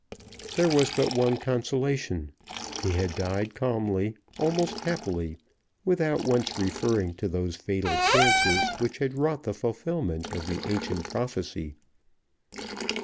There was but one consolation he had died calmly, almost happily, without once referring to those fatal chances which had wrought the fulfillment of the ancient prophecy.